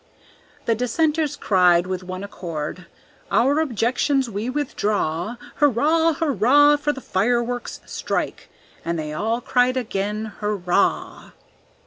The dissenters cried with one accord, "Our objections we withdraw. Hurrah, hurrah for the fireworks' strike!" and they cried again, "Hurrah!"